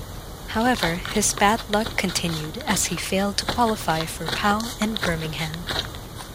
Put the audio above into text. However, his bad luck continued as he failed to qualify for Pau and Birmingham.